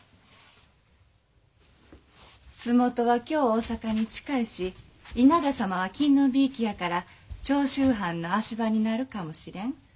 洲本は京大坂に近いし稲田様は勤皇びいきやから長州藩の足場になるかもしれん。